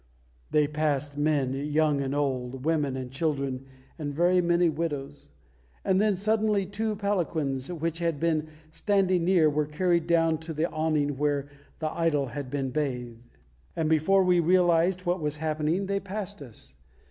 They passed, men young and old, women and children, and very many widows; and then suddenly two palanquins which had been standing near were carried down to the awning where the idol had been bathed; and before we realised what was happening, they passed us.